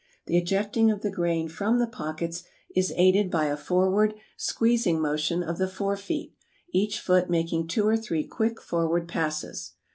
The ejecting of the grain from the pockets is aided by a forward, squeezing motion of the fore feet, each foot making two or three quick forward passes.